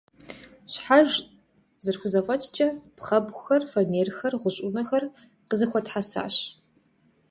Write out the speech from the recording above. Щхьэж зэрыхузэфӏэкӏкӏэ пхъэбгъухэр, фанерхэр, гъущӏ ӏунэхэр къызэхуэтхьэсащ.